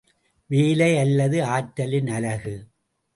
வேலை அல்லது ஆற்றலின் அலகு.